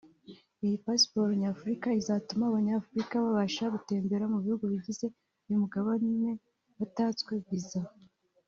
Iyi pasiporo Nyafurika izatuma Abanyafurika babasha gutembera mu bihugu bigize uyu mugabane batatswe visa